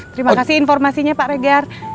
terima kasih informasinya pak regar